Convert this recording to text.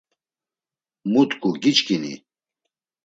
Mu tku giçkini?